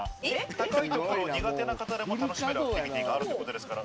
高いところ苦手な方でも楽しめるアクティビティーがあるということですから。